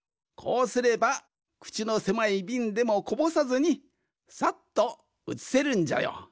こうすればくちのせまいびんでもこぼさずにさっとうつせるんじゃよ。